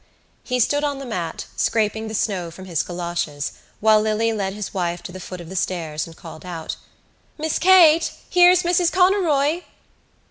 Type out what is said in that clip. He stood on the mat, scraping the snow from his goloshes, while Lily led his wife to the foot of the stairs and called out: "Miss Kate, here's Mrs Conroy."